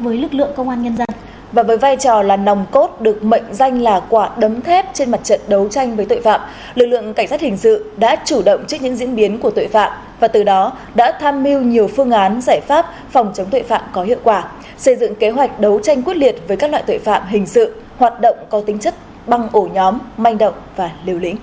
lực lượng cảnh sát hình sự đã chủ động trước những diễn biến của tội phạm và từ đó đã tham mưu nhiều phương án giải pháp phòng chống tội phạm có hiệu quả xây dựng kế hoạch đấu tranh quyết liệt với các loại tội phạm hình sự hoạt động có tính chất băng ổ nhóm manh động và liều lĩnh